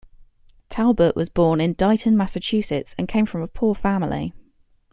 Talbot was born in Dighton, Massachusetts and came from a poor family.